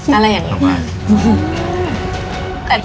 แต่ก็เสียใจมากไง